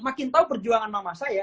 makin tahu perjuangan mama saya